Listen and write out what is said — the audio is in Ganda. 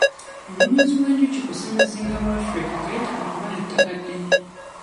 Omulunzi w'enjuki ku ssemazinga w'Africa teyeetaaga kuba na ttaka ddene.